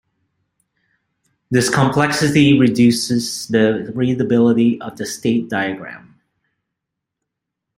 This complexity reduces the readability of the state diagram.